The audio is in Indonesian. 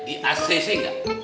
di acc gak